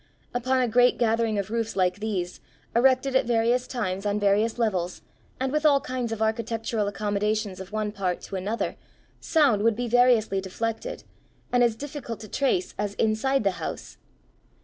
Upon a great gathering of roofs like these, erected at various times on various levels, and with all kinds of architectural accommodations of one part to another, sound would be variously deflected, and as difficult to trace as inside the house!